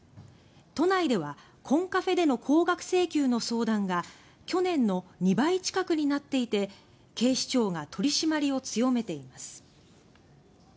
都内ではコンカフェでの高額請求の相談が去年の２倍近くになっていて警視庁が取り締まりを強めています。